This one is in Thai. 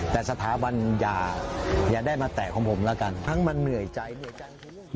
แต่สถาบันอย่าได้มาแตะของผมแล้วกันทั้งมันเหนื่อยใจเหนื่อยจัง